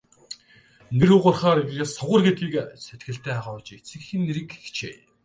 Нэр хугарахаар яс хугар гэдгийг сэтгэлдээ агуулж эцэг эхийн нэрийг хичээе.